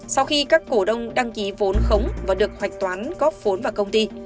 sau khi các cổ đông đăng ký vốn khống và được hoạch toán góp vốn vào công ty